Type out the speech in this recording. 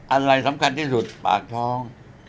อะไรสำคัญที่สุดปากท้อง